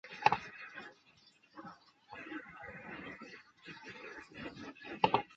毫无疑问那一年人们对协会留下了很深的印象。